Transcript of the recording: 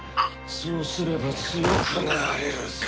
そうすれば強くなれるぞ。